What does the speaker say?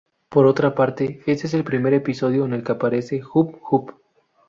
Por otra parte, este es el primer episodio en el que aparece Jub-Jub.